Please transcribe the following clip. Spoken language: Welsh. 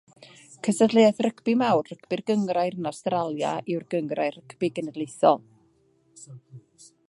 Cystadleuaeth clwb mawr Rygbi'r Gynghrair yn Awstralia yw'r Gynghrair Rygbi Genedlaethol.